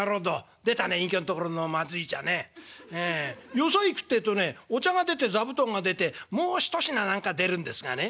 よそ行くってえとねお茶が出て座布団が出てもう一品何か出るんですがね」。